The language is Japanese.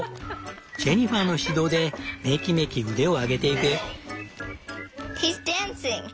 ジェニファーの指導でメキメキ腕を上げてゆく。